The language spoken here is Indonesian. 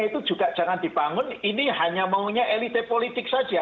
itu juga jangan dibangun ini hanya maunya elite politik saja